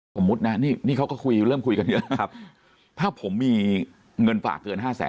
สมมตินะนี่เขาก็เริ่มคุยกันเยอะถ้าผมมีเงินฝากเกิน๕๐๐๐๐๐